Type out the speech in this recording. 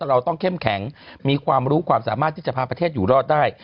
เราต้องเข้มแข็งมีความรู้ความสามารถที่จะพาประเทศอยู่รอดได้